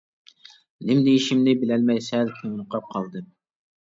نېمە دېيىشىمنى بىلەلمەي سەل تېڭىرقاپ قالدىم.